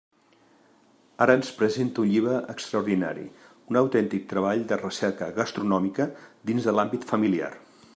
Ara ens presenta un llibre extraordinari, un autèntic treball de recerca gastronòmica dins de l'àmbit familiar.